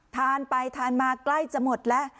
ทานไปทานมาใกล้จะหมดแล้ว